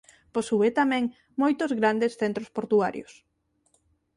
Posúe tamén moitos grandes centros portuarios.